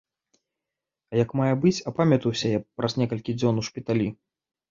А як мае быць апамятаўся я праз некалькі дзён у шпіталі.